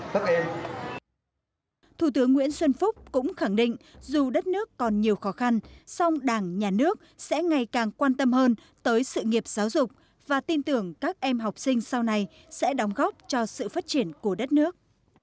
thủ tướng nguyễn xuân phúc cũng khẳng định dù đất nước còn nhiều khó khăn song đảng nhà nước sẽ ngày càng quan tâm hơn tới sự nghiệp giáo dục và tin tưởng các em học sinh sau này sẽ đóng góp cho sự phát triển của đất nước